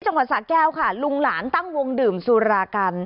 จังหวัดสะแก้วค่ะลุงหลานตั้งวงดื่มสุรากัน